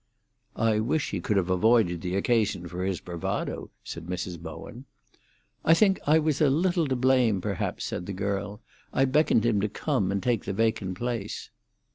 "I wish he could have avoided the occasion for his bravado," said Mrs. Bowen. "I think I was a little to blame, perhaps," said the girl. "I beckoned him to come and take the vacant place."